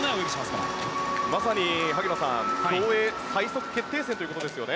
まさに萩野さん競泳最速決定戦ということですよね。